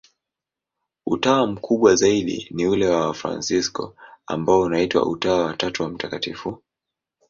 Utawa mkubwa zaidi ni ule wa Wafransisko, ambao unaitwa Utawa wa Tatu wa Mt.